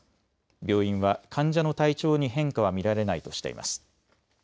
病院は患者の体調に変化は見られないとしています。